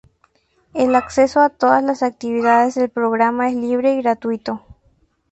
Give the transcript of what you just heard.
El acceso a todas las actividades del programa es libre y gratuito.